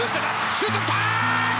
シュートきた！